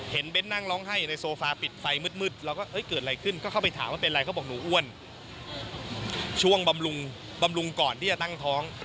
เป็นเพื่อนหนูทุกอย่างที่หนูกิน